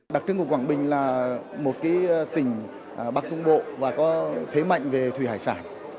đặc trưng của quảng bình là một tỉnh bắc trung bộ và có thế mạnh về thủy hải sản